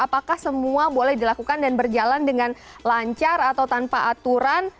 apakah semua boleh dilakukan dan berjalan dengan lancar atau tanpa aturan